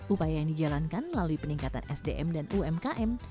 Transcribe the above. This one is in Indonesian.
upaya yang dijalankan melalui peningkatan sdm dan umkm